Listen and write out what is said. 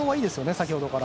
先ほどから。